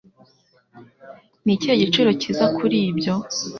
Ni ikihe giciro cyiza kuri ibyo?